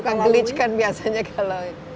bukan glitch kan biasanya kalau